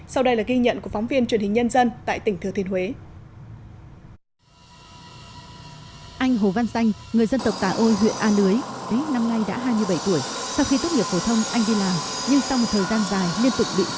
sau đây là ghi nhận của phóng viên truyền hình nhân dân tại tỉnh thừa thiên huế